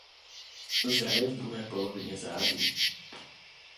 Zraje v druhé polovině září.